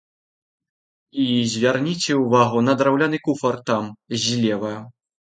І звярніце ўвагу на драўляны куфар там, злева.